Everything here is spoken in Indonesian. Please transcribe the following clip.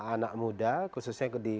anak muda khususnya